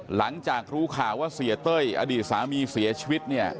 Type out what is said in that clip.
หลังจากรู้ข่าวว่าเสียเต้ยอดีตสามีเสียชีวิตเนี่ย